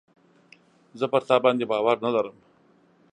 زه پر تا باندي باور نه لرم .